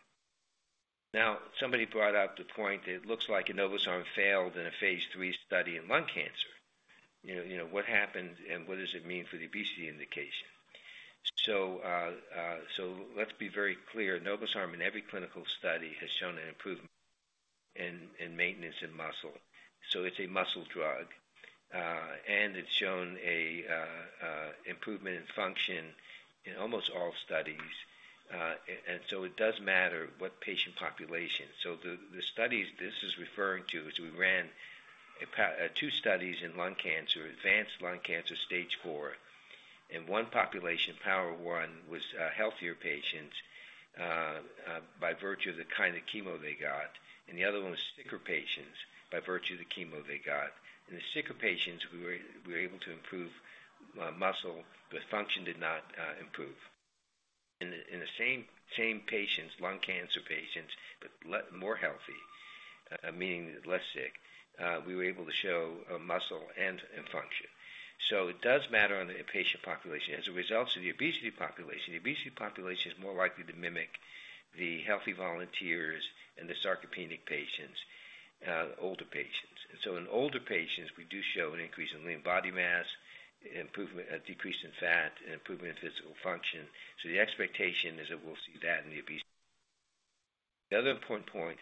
Now, somebody brought up the point, it looks like enobosarm failed in a phase III study in lung cancer. You know, you know, what happened, and what does it mean for the obesity indication? So, so let's be very clear, enobosarm, in every clinical study, has shown an improvement in maintenance in muscle. So it's a muscle drug, and it's shown a improvement in function in almost all studies and so it does matter what patient population. So the studies this is referring to is we ran two studies in lung cancer, advanced lung cancer, stage 4. One population, POWER 1, was healthier patients by virtue of the kind of chemo they got, and the other one was sicker patients by virtue of the chemo they got. In the sicker patients, we were able to improve muscle, but function did not improve. In the same patients, lung cancer patients, but more healthy, meaning less sick, we were able to show muscle and function. So it does matter on the patient population. As a result, the obesity population is more likely to mimic the healthy volunteers and the sarcopenic patients, older patients. And so in older patients, we do show an increase in lean body mass improvement, a decrease in fat, and improvement in physical function. So the expectation is that we'll see that in the obese. The other important point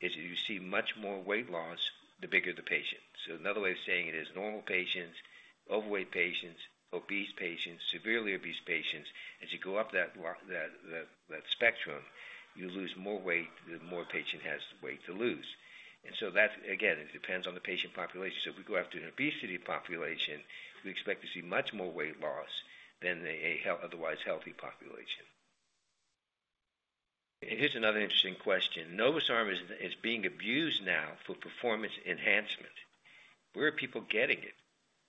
is you see much more weight loss, the bigger the patient. So another way of saying it is normal patients, overweight patients, obese patients, severely obese patients. As you go up that spectrum, you lose more weight, the more patient has weight to lose. And so that, again, it depends on the patient population. So if we go after an obesity population, we expect to see much more weight loss than the otherwise healthy population. And here's another interesting question: enobosarm is being abused now for performance enhancement. Where are people getting it?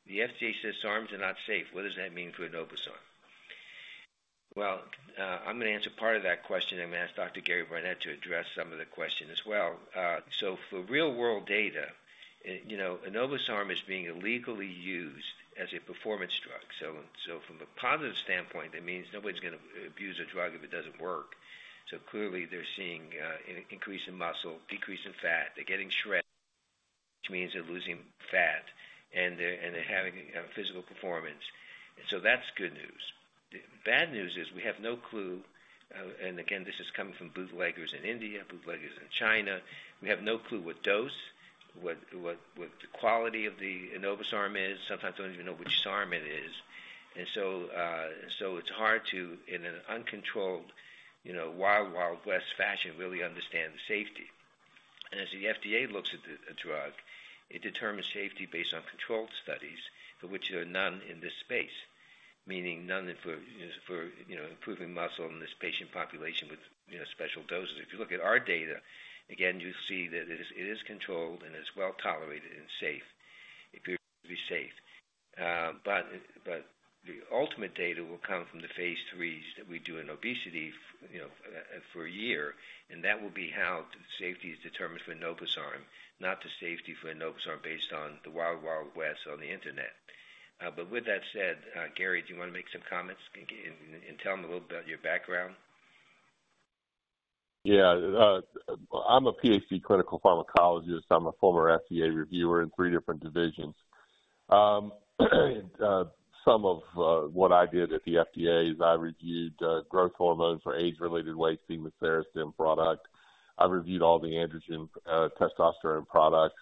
The FDA says SARMs are not safe. What does that mean for enobosarm? Well, I'm going to answer part of that question, and I'm going to ask Dr. Gary Barnette to address some of the question as well. So for real-world data, you know, enobosarm is being illegally used as a performance drug. So from a positive standpoint, that means nobody's gonna abuse a drug if it doesn't work. So clearly they're seeing an increase in muscle, decrease in fat. They're getting shred, which means they're losing fat, and they're having a physical performance. And so that's good news. The bad news is we have no clue, and again, this is coming from bootleggers in India, bootleggers in China. We have no clue what dose, what the quality of the, sometimes we don't even know which SARM it is. It's hard to, in an uncontrolled, you know, wild, wild west fashion, really understand the safety. As the FDA looks at a drug, it determines safety based on controlled studies, for which there are none in this space. Meaning none for, you know, improving muscle in this patient population with, you know, special doses. If you look at our data, again, you see that it is controlled and it's well tolerated and safe. It appears to be safe. But the ultimate data will come from the phase IIIs that we do in obesity, you know, for a year, and that will be how safety is determined for enobosarm, not the safety for enobosarm based on the wild, wild west on the Internet. But with that said, Gary, do you want to make some comments and tell them a little about your background? Yeah. I'm a Ph.D. clinical pharmacologist. I'm a former FDA reviewer in three different divisions. Some of what I did at the FDA is I reviewed growth hormones for age-related wasting with Serostim product. I reviewed all the androgen testosterone products.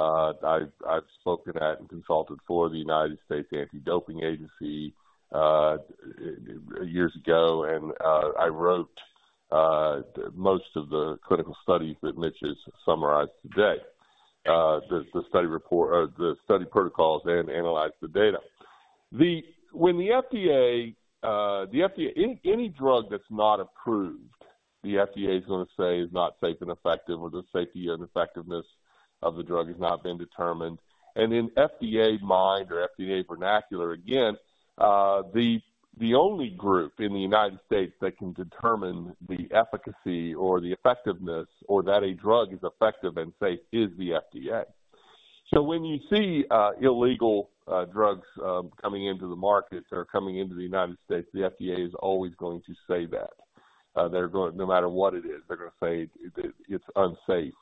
I've spoken at and consulted for the United States Anti-Doping Agency years ago, and I wrote most of the critical studies that Mitch has summarized today. The study report or the study protocols and analyzed the data. When the FDA, any drug that's not approved, the FDA is going to say is not safe and effective, or the safety and effectiveness of the drug has not been determined. In FDA mind or FDA vernacular, again, the only group in the United States that can determine the efficacy or the effectiveness, or that a drug is effective and safe, is the FDA. So when you see illegal drugs coming into the market or coming into the United States, the FDA is always going to say that. They're going no matter what it is, they're going to say it, it's unsafe,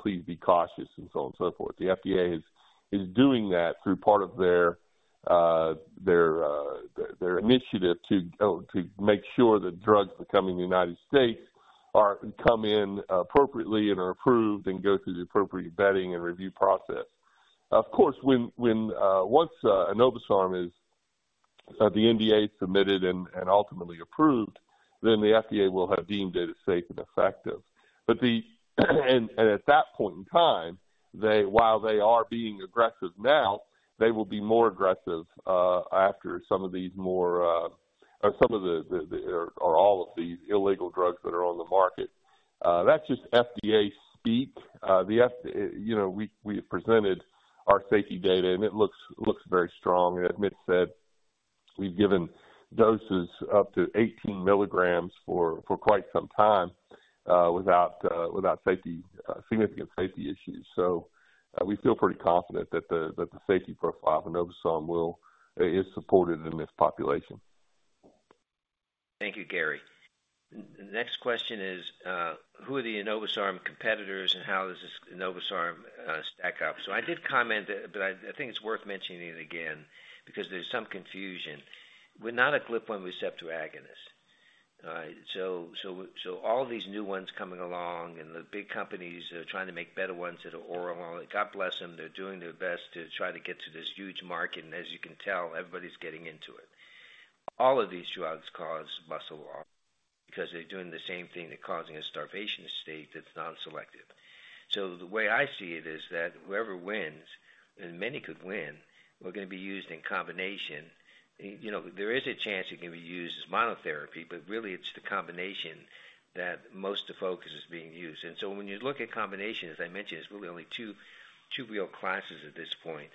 please be cautious, and so on and so forth. The FDA is doing that through part of their initiative to make sure that drugs that come in the United States come in appropriately and are approved and go through the appropriate vetting and review process. Of course, once enobosarm is, the NDA is submitted and ultimately approved, then the FDA will have deemed it safe and effective. But at that point in time, while they are being aggressive now, they will be more aggressive after some of these more or some of the or all of these illegal drugs that are on the market. That's just FDA speak. You know, we presented our safety data, and it looks very strong, and as Mitch said, we've given doses up to 18 mg for quite some time without significant safety issues. So, we feel pretty confident that the safety profile of enobosarm is supported in this population. Thank you, Gary. The next question is, "Who are the enobosarm competitors, and how does this enobosarm stack up?" So I did comment, but I think it's worth mentioning it again because there's some confusion. We're not a GLP-1 receptor agonist. So all these new ones coming along, and the big companies are trying to make better ones that are oral. God bless them. They're doing their best to try to get to this huge market, and as you can tell, everybody's getting into it. All of these drugs cause muscle loss because they're doing the same thing, they're causing a starvation state that's non-selective. So the way I see it is that whoever wins, and many could win, we're going to be used in combination. You know, there is a chance it can be used as monotherapy, but really it's the combination that most of the focus is being used. And so when you look at combination, as I mentioned, it's really only two real classes at this point,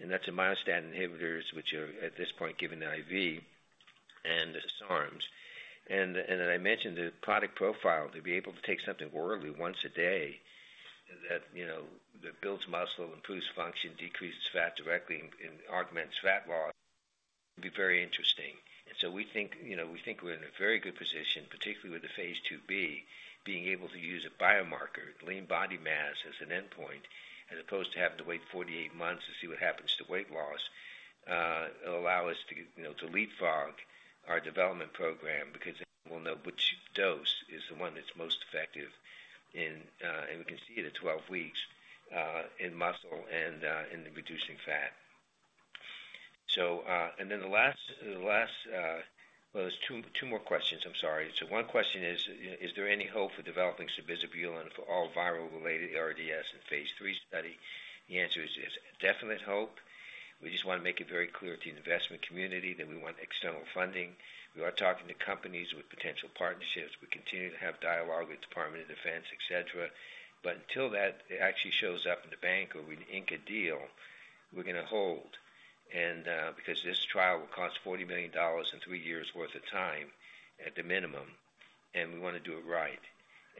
and that's myostatin inhibitors, which are, at this point, given IV, and the SARMs. And as I mentioned, the product profile, to be able to take something orally once a day, that, you know, that builds muscle, improves function, decreases fat directly, and augments fat loss be very interesting. So we think, you know, we think we're in a very good position, particularly with the phase II-B, being able to use a biomarker, lean body mass, as an endpoint, as opposed to having to wait 48 months to see what happens to weight loss. It'll allow us to, you know, to leapfrog our development program because we'll know which dose is the one that's most effective in, and we can see it at 12 weeks, in muscle and, in the reducing fat. So, and then the last, the last. Well, there's two, two more questions, I'm sorry. So one question is, is there any hope for developing sabizabulin for all viral-related ARDS in phase III study? The answer is, yes, definite hope. We just wanna make it very clear to the investment community that we want external funding. We are talking to companies with potential partnerships. We continue to have dialogue with Department of Defense, et cetera. But until that actually shows up in the bank, or we ink a deal, we're gonna hold. And because this trial will cost $40 million and three years' worth of time at the minimum, and we wanna do it right.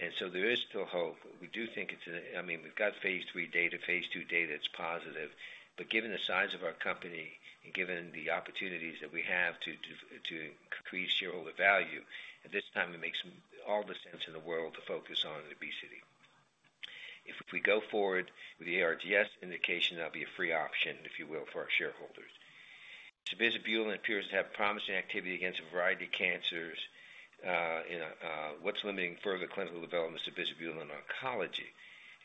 And so there is still hope. We do think, I mean, we've got phase III data, phase II data that's positive. But given the size of our company and given the opportunities that we have to increase shareholder value, at this time, it makes all the sense in the world to focus on obesity. If we go forward with the ARDS indication, that'll be a free option, if you will, for our shareholders. Sabizabulin appears to have promising activity against a variety of cancers. You know, what's limiting further clinical development of sabizabulin in oncology?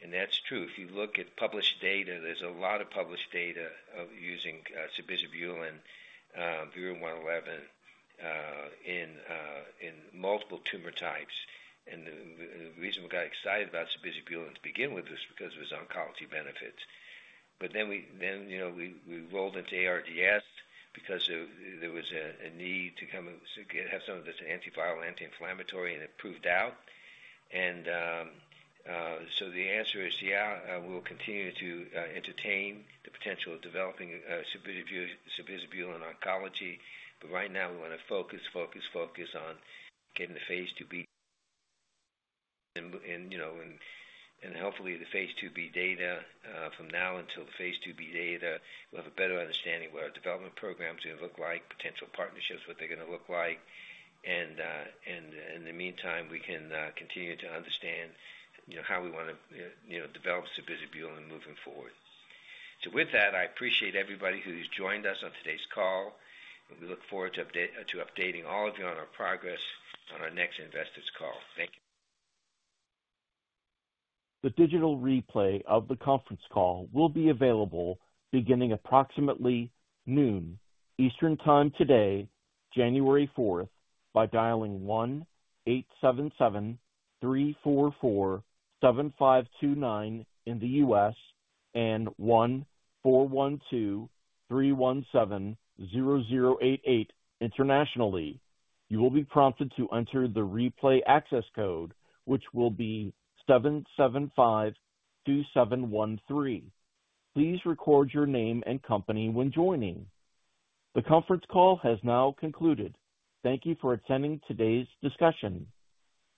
And that's true. If you look at published data, there's a lot of published data of using sabizabulin, VERU-111, in multiple tumor types. And the reason we got excited about sabizabulin to begin with is because of its oncology benefits. But then, you know, we rolled into ARDS because there was a need to come and get, have some of this antiviral, anti-inflammatory, and it proved out. So the answer is yeah, we'll continue to entertain the potential of developing sabizabulin in oncology, but right now we wanna focus, focus, focus on getting the phase II-B. You know, hopefully the phase II-B data, from now until the phase II-B data, we'll have a better understanding of what our development programs are gonna look like, potential partnerships, what they're gonna look like. And in the meantime, we can continue to understand, you know, how we wanna develop sabizabulin moving forward. So with that, I appreciate everybody who's joined us on today's call, and we look forward to updating all of you on our progress on our next investors call. Thank you. The digital replay of the conference call will be available beginning approximately noon, Eastern Time today, January 4th, by dialing 1-877-344-7529 in the U.S., and 1-412-317-0088 internationally. You will be prompted to enter the replay access code, which will be 7752713. Please record your name and company when joining. The conference call has now concluded. Thank you for attending today's discussion.